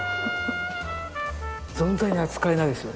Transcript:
ぞんざいに扱えないですよね。